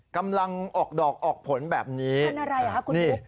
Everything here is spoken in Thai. กำลังออกดอกออกผลแบบนี้พันธุ์อะไรอ่ะฮะคุณฟุกนี่